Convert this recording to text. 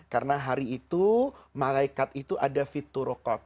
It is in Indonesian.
karena hari itu malaikat itu ada fiturukot